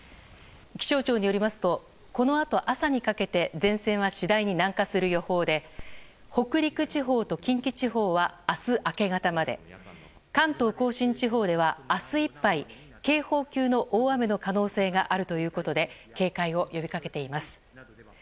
気象庁によりますとこのあと、朝にかけて前線は次第に南下する予報で北陸地方と近畿地方は明日明け方まで関東甲信地方では明日いっぱい警報級の大雨の可能性があるということで警戒を呼びかけています。